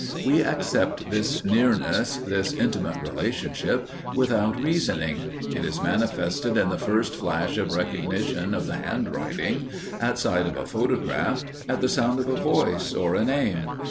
We accept this nearness, this intimate relationship, without reasoning; it is manifested in the first flash of recognition of the handwriting, at sight of a photograph, at the sound of a voice or a name.